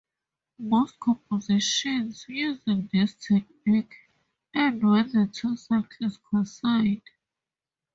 Most compositions using this technique end when the two cycles coincide.